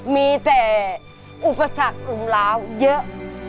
มีแต่อุปสรรคอุ่มล้าวเยอะ